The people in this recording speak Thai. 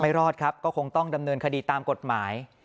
รอดครับก็คงต้องดำเนินคดีตามกฎหมาย